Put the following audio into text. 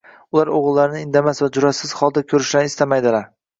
Ular o‘g‘illarini indamas va jur’atsiz holda ko‘rishni istamaydilar.